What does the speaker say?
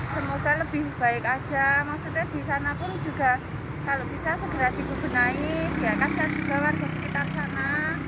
semoga lebih baik aja maksudnya di sana pun juga kalau bisa segera dibenahi biarkan saya juga warga sekitar sana